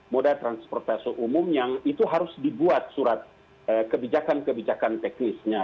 moda transportasi umum yang itu harus dibuat surat kebijakan kebijakan teknisnya